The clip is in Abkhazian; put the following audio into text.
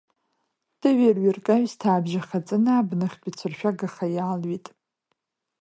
Тыҩырҩырк аҩсҭаабжьы ахаҵаны абнахьтә ицәыршәагаха иаалҩит.